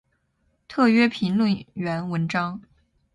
特约评论员文章